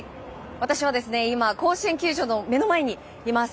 私は今甲子園球場の目の前にいます。